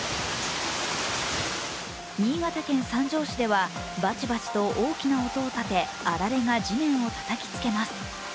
新潟県三条市ではバチバチと大きな音をたて、あられが地面をたたきつけます。